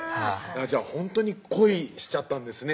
ほんとに恋しちゃったんですね